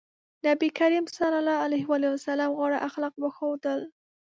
نبي کريم ص غوره اخلاق وښودل.